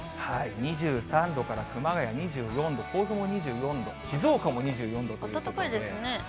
２３度から熊谷２４度、甲府も２４度、静岡も２４度ということ暖かいですね。